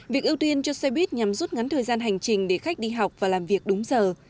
việc ưu tiên cho xe buýt nhằm rút ngắn thời gian hành trình để khách đi học và làm việc đúng giờ